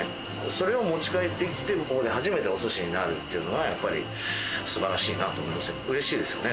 それを持ち帰ってきて、ここで初めてお寿司になるっていうのがやっぱり素晴らしいなと思いますね。